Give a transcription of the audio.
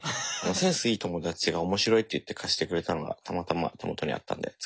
センスいい友達が面白いって言って貸してくれたのがたまたま手元にあったんで使っただけです。